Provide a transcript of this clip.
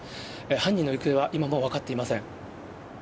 犯人の行方は今も分かっていません。